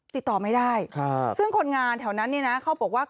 ติดต่อไม่ได้ซึ่งคนงานแถวนั้นเนี่ยนะเขาบอกว่า